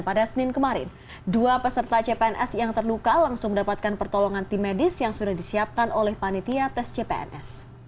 pada senin kemarin dua peserta cpns yang terluka langsung mendapatkan pertolongan tim medis yang sudah disiapkan oleh panitia tes cpns